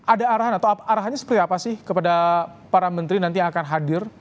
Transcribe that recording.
ada arahan atau arahannya seperti apa sih kepada para menteri nanti yang akan hadir